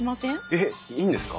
えっいいんですか？